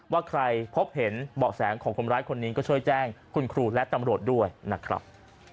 ว่าใครพบเห็นเบาะแสของคนร้ายคนนี้ก็ช่วยแจ้งคุณครูและตำรวจด้วยนะครับ